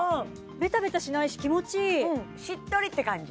ベタベタしないし気持ちいいしっとりって感じ